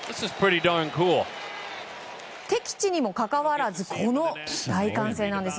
敵地にもかかわらずこの大歓声なんです。